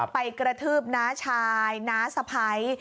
กระทืบน้าชายน้าสะพ้าย